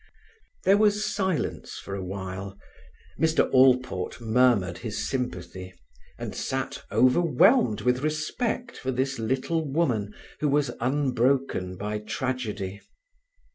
There was silence for a while. Mr. Allport murmured his sympathy, and sat overwhelmed with respect for this little woman who was unbroken by tragedy.